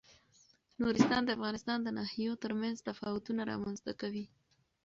نورستان د افغانستان د ناحیو ترمنځ تفاوتونه رامنځ ته کوي.